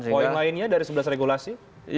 poin lainnya dari sebelas regulasi